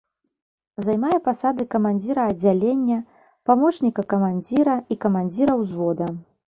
Займае пасады камандзіра аддзялення, памочніка камандзіра і камандзіра ўзвода.